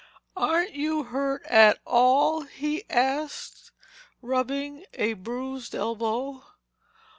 "Aren't you hurt at all?" he asked, rubbing a bruised elbow.